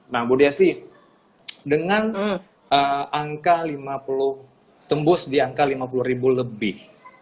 nah bu desi dengan angka lima puluh tembus di angka lima puluh ribu lebih